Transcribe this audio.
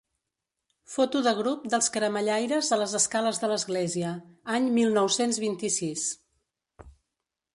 Foto de grup dels caramellaires a les escales de l'església, any mil nou-cents vint-i-sis.